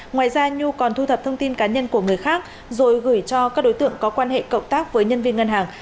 ngoài ra nhu còn thu thập thông tin cá nhân của người khác rồi gửi cho các đối tượng có quan hệ cộng tác với nhân viên ngân hàng